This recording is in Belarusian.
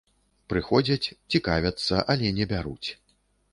Прыходзяць цікавяцца, але не бяруць!